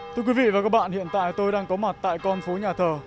thưa quý vị và các bạn hiện tại tôi đang có mặt tại con phố nhà thờ